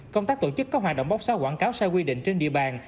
công tác tổ chức có hoạt động bóc xóa quảng cáo sai quy định trên địa bàn